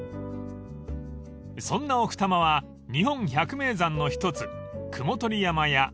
［そんな奥多摩は日本百名山の一つ雲取山や